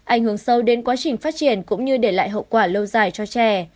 ảnh hưởng sâu đến quá trình phát triển cũng như để lại hậu quả lâu dài cho trẻ